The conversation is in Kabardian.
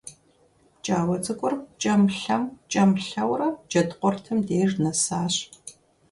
ПкӀауэ цӀыкӀур пкӀэм-лъэм, пкӀэм-лъэурэ Джэд къуртым деж нэсащ.